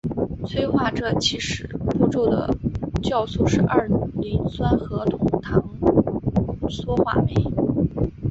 催化这起始步骤的酵素是二磷酸核酮糖羧化酶。